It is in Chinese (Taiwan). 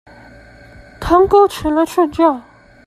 堂哥前來勸架